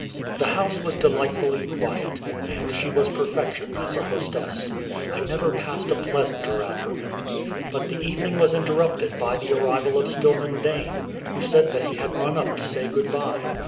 The house was delightfully quiet, and she was perfection as a hostess. I never passed a pleasanter afternoon. But the evening was interrupted by the arrival of Stillman Dane, who said that he had run up to say good bye.